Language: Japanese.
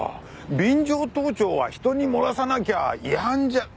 便乗盗聴は人に漏らさなきゃ違反じゃ。